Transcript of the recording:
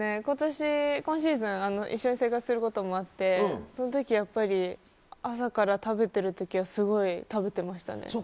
ことし、今シーズン一緒に生活することもあって、そのときやっぱり、朝から食べてるときはすごい食べてましたね。